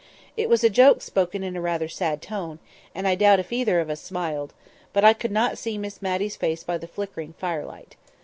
'" It was a joke spoken in rather a sad tone, and I doubt if either of us smiled; but I could not see Miss Matty's face by the flickering fire light.